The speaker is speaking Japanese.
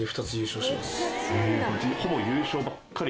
ほぼ優勝ばっかり。